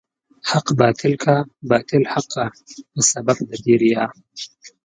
حق باطل کا، باطل حق کا په سبب د دې ريا